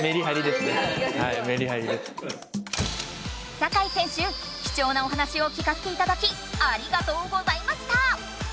酒井選手きちょうなお話を聞かせていただきありがとうございました！